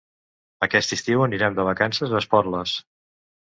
Aquest estiu anirem de vacances a Esporles.